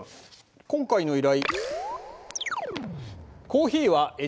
今回の依頼。